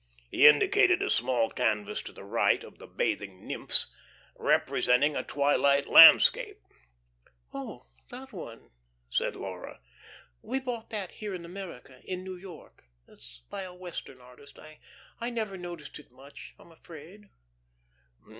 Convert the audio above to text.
He indicated a small canvas to the right of the bathing nymphs, representing a twilight landscape. "Oh, that one," said Laura. "We bought that here in America, in New York. It's by a Western artist. I never noticed it much, I'm afraid."